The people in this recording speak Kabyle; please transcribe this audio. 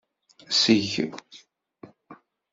Seg.